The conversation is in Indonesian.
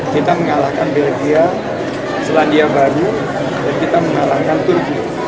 kita mengalahkan belgia selandia baru dan kita mengalahkan tujuh